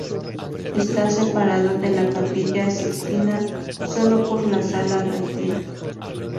Está separada de la Capilla Sixtina sólo por la Sala Regia.